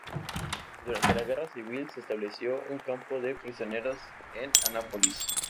Durante la Guerra Civil, se estableció un campo de prisioneros en Annapolis.